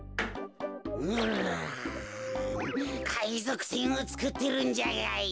うかいぞくせんをつくってるんじゃがよ。